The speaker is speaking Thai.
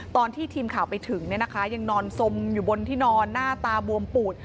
ตอนที่ทีมข่าวไปถึงยังนอนสมอยู่บนที่นอนหน้าตาบวมปูด